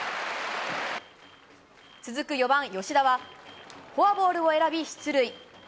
続く４番吉田は、フォアボールを選び出塁。